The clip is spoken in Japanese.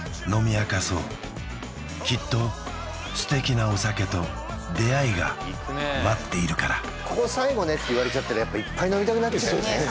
きっと素敵なお酒と出会いが待っているからここ最後ねって言われちゃったらいっぱい飲みたくなっちゃうよね